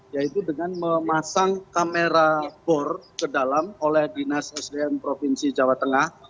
yaitu dengan memasang kamera bor ke dalam oleh dinas sdm provinsi jawa tengah